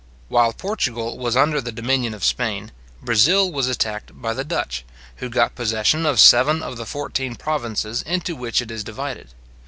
While Portugal was under the dominion of Spain, Brazil was attacked by the Dutch, who got possession of seven of the fourteen provinces into which it is divided.